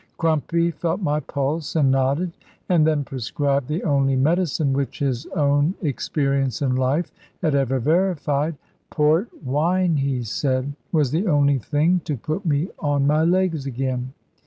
Crumpy felt my pulse, and nodded, and then prescribed the only medicine which his own experience in life had ever verified. Port wine, he said, was the only thing to put me on my legs again.